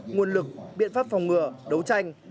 nguồn lực biện pháp phòng ngừa đấu tranh